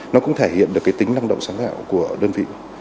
nó cũng thể hiện được cái tính năng động sáng tạo của đơn vị